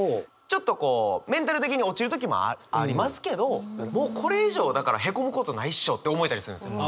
ちょっとこうメンタル的に落ちる時もありますけどもうこれ以上だからへこむことないっしょって思えたりするんですよ。